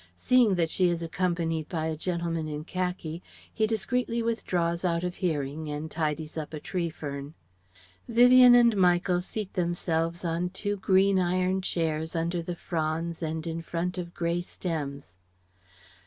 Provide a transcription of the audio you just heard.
Seeing that she is accompanied by a gentleman in khaki he discreetly withdraws out of hearing and tidies up a tree fern. Vivien and Michael seat themselves on two green iron chairs under the fronds and in front of grey stems.